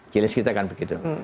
challenge kita kan begitu